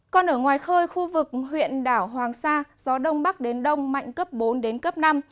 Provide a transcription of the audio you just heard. còn ở ngoài khơi khu vực huyện đảo hoàng sa gió đông bắc đến đông mạnh cấp bốn đến cấp năm